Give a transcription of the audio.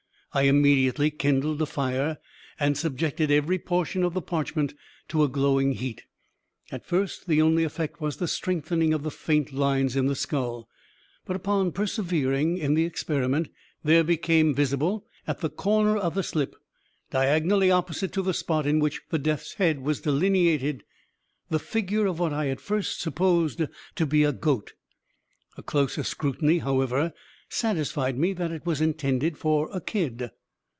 I immediately kindled a fire, and subjected every portion of the parchment to a glowing heat. At first, the only effect was the strengthening of the faint lines in the skull; but, upon persevering in the experiment, there became visible, at the corner of the slip, diagonally opposite to the spot in which the death's head was delineated, the figure of what I at first supposed to be a goat. A closer scrutiny, however, satisfied me that it was intended for a kid."